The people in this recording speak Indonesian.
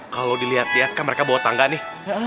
kalau dilihat lihat kan mereka bawa tangga nih